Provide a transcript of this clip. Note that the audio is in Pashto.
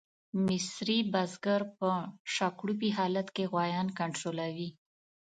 مصري بزګر په شاکړوپي حالت کې غویان کنټرولوي.